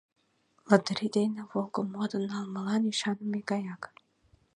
Лотерей дене «Волгым» модын налмылан ӱшаныме гаяк.